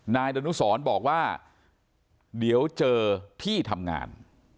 นายดนุสรบอกว่าเดี๋ยวเจอที่ทำงาน